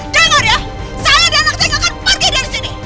dengar ya saya dan anak anak akan pergi dari sini